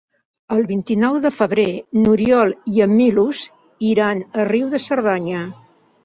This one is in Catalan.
El vint-i-nou de febrer n'Oriol i en Milos iran a Riu de Cerdanya.